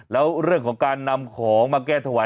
แล้วเรื่องของการนำของมาแก้ถวาย